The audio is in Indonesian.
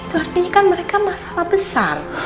itu artinya kan mereka masalah besar